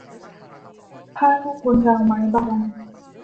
ผ้าแห้งบนราวไม้บาง